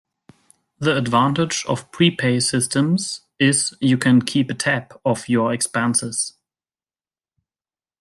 The advantage of prepay systems is you can keep a tab of your expenses.